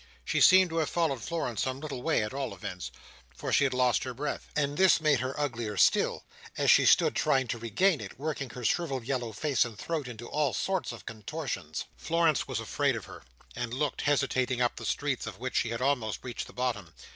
She seemed to have followed Florence some little way at all events, for she had lost her breath; and this made her uglier still, as she stood trying to regain it: working her shrivelled yellow face and throat into all sorts of contortions. Florence was afraid of her, and looked, hesitating, up the street, of which she had almost reached the bottom.